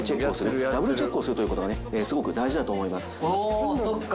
おそっか。